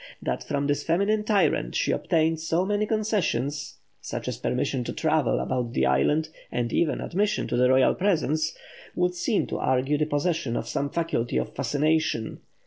That from this feminine tyrant she obtained so many concessions such as permission to travel about the island, and even admission to the royal presence, would seem to argue the possession of some faculty of fascination.